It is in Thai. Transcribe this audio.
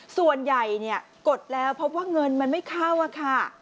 ส่วนใหญ่กดแล้วพบว่าเงินมันไม่เข้าค่ะ